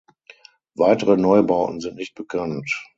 Weitere Neubauten sind nicht bekannt.